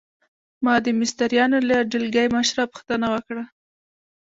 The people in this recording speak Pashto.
ما د مستریانو له ډلګۍ مشره پوښتنه وکړه.